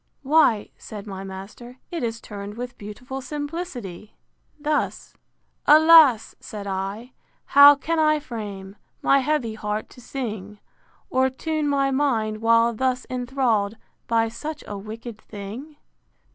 Why, said my master, it is turned with beautiful simplicity, thus: IV. Alas! said I, how can I frame My heavy heart to sing, Or tune my mind, while thus enthrall'd By such a wicked thing?